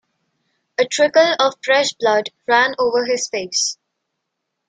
A trickle of fresh blood ran over his face.